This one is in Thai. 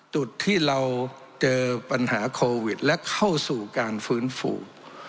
จุดที่เราเจอปัญหาโควิดและเข้าสู่การฟื้นฟู